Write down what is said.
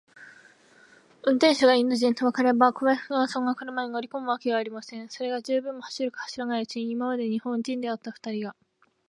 運転手がインド人とわかれば、小林君がそんな車に乗りこむわけがありません。それが、十分も走るか走らないうちに、今まで日本人であったふたりが、